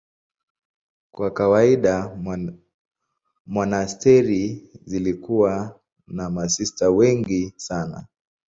Kwa kawaida monasteri zilikuwa na masista wengi sana.